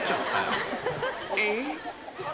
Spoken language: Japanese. えっ？］